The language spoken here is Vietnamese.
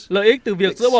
lợi ích từ việc giữ bỏ nội địa